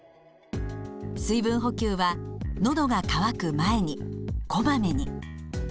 水分補給は「のどが渇く前に」「こまめに」。